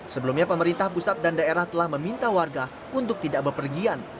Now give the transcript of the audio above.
sebelumnya pemerintah pusat dan daerah telah meminta warga untuk tidak berpergian